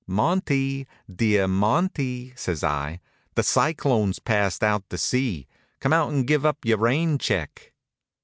"Monty, dear Monty," says I, "the cyclone's passed out to sea. Come out and give up your rain check."